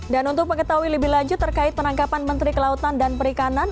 dan untuk mengetahui lebih lanjut terkait penangkapan menteri kelautan dan perikanan